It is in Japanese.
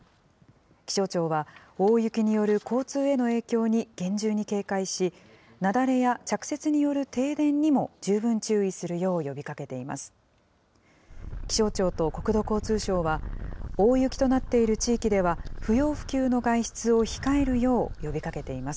気象庁は、大雪による交通への影響に厳重に警戒し、雪崩や着雪による停電にも十分注意するよう呼びかけています。